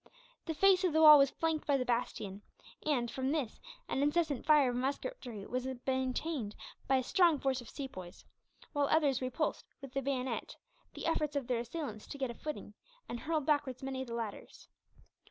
The face of the wall was flanked by the bastion and, from this, an incessant fire of musketry was maintained by a strong force of Sepoys; while others repulsed, with the bayonet, the efforts of their assailants to gain a footing, and hurled backwards many of the ladders.